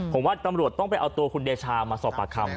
ผมว่าตำรวจต้องไปเอาตัวคุณเดชามาสอบปากคำ